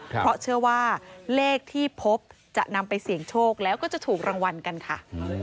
เพราะเชื่อว่าเลขที่พบจะนำไปเสี่ยงโชคแล้วก็จะถูกรางวัลกันค่ะ